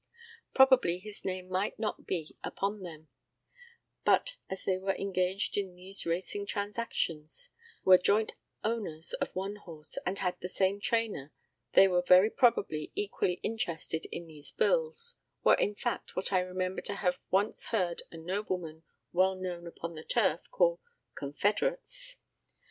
Probably his name might not be upon them, but as they were engaged in these racing transactions, were joint owners of one horse and had the same trainer, they were very probably equally interested in these bills were in fact what I remember to have once heard a nobleman well known upon the turf call "confederates."